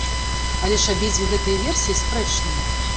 Але ж абедзве гэтыя версіі спрэчныя.